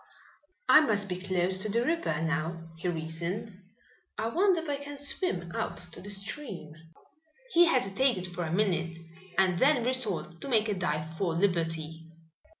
"I must be close to the river now," he reasoned. "I wonder if I can swim out to the stream?" He hesitated for a minute and then resolved to make a dive for liberty.